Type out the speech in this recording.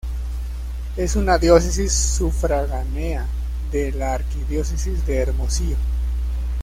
Es una diócesis sufragánea de la arquidiócesis de Hermosillo.